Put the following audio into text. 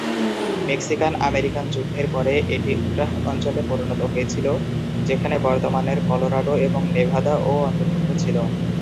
Mexican-American যুদ্ধের পরে, এটি উটাহ অঞ্চলে পরিণত হয়েছিল, যেখানে বর্তমানের কলোরাডো এবং নেভাদা ও অন্তর্ভুক্ত ছিল।